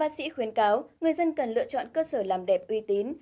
bác sĩ khuyến cáo người dân cần lựa chọn cơ sở làm đẹp uy tín